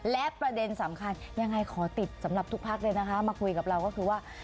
และประเด็นสำคัญยังไงขอติดสำหรับทุกพักเลยนะคะมาคุยกับเราก็คือว่า